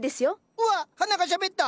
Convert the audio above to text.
うわっ花がしゃべった！